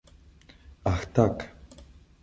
Ah tak.